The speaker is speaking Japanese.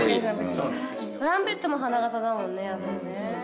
トランペットも花形だもんねやっぱね。